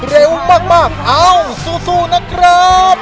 เร็วมากเอ้าสู้นะครับ